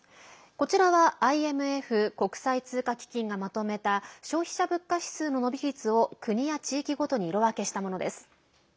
こちらはＩＭＦ＝国際通貨基金がまとめた消費者物価指数の伸び率を国や地域ごとに色分けしたものです。